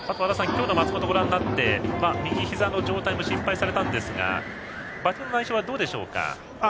今日の松本をご覧になって右ひざの状態も心配されましたがバッティングの状態はどうでしょうか？